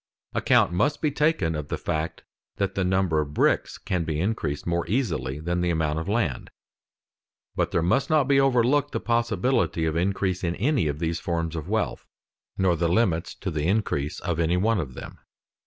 Account must be taken of the fact that the number of bricks can be increased more easily than the amount of land; but there must not be overlooked the possibility of increase in any of these forms of wealth, nor the limits to the increase of any one of them.